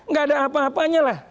nggak ada apa apanya lah